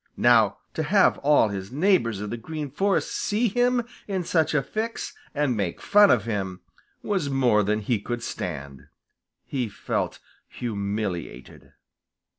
Now to have all his neighbors of the Green Forest see him in such a fix and make fun of him, was more than he could stand. He felt humiliated.